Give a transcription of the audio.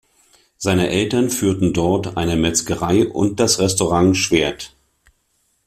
Seine Eltern führten dort eine Metzgerei und das Restaurant Schwert.